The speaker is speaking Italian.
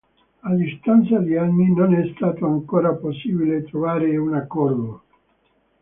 A distanza di anni, non è stato ancora possibile trovare un accordo.